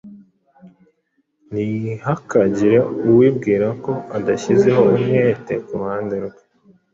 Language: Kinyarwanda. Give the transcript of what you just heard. Ntihakagire uwibwira ko adashyizeho umwete ku ruhande rwe